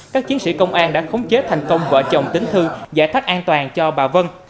các chiến sĩ công an đã khống chế thành công vợ chồng tính thư giải thích an toàn cho bà vân